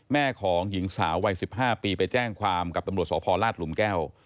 แม่ของหญิงสาววัย๑๕ปีไปแจ้งความกับตำรวจสพลาดหลุมแก้ว